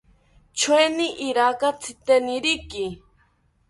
Choeni iraka tziteniriki